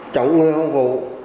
chống người không vụ